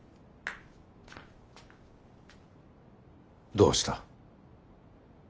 どうした。